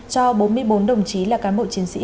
cho bốn mươi bốn đồng chí là cán bộ chiến sĩ